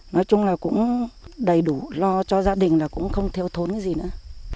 nói chung là cũng đầy đủ lo cho gia đình là cũng không theo thốn cái gì nữa